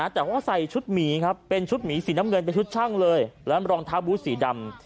แต่ว่าใส่ชุดหมีครับเป็นชุดหมีสีน้ำเงินเป็นชุดช่างเลยแล้วรองเท้าบูธสีดำ